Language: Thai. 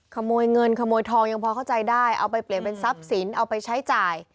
ขโมยเงินขโมยทองยังพอเข้าใจได้เอาไปเปลี่ยนเป็นทรัพย์สินเอาไปใช้จ่าย